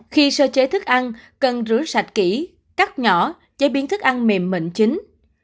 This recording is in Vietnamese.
khi sơ chế thức ăn cần rửa sạch kỹ cắt nhỏ chế biến thức ăn mềm mệnh chính